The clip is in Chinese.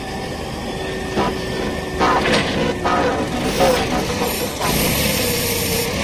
加提奈地区巴尔维勒人口变化图示